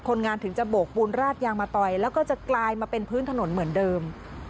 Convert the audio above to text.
งานถึงจะโบกปูนราดยางมาต่อยแล้วก็จะกลายมาเป็นพื้นถนนเหมือนเดิม